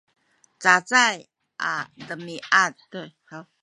cacay a demiad